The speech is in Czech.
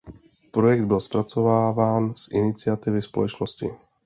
Projekt byl zpracováván z iniciativy společnosti.